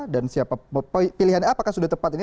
dan pilihan apakah sudah tepat ini